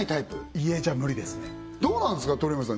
家じゃ無理ですねどうなんですか通山さん